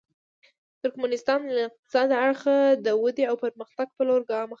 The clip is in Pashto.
ترکمنستان له اقتصادي اړخه د ودې او پرمختګ په لور ګام اخلي.